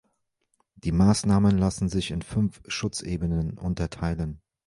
Die Maßnahmen lassen sich in fünf Schutz-Ebenen unterteilen.